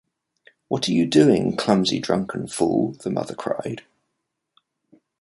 “What are you doing, clumsy, drunken fool?” the mother cried.